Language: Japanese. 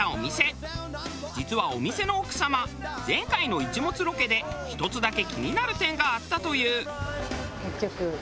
実はお店の奥様前回のイチモツロケで１つだけ気になる点があったという。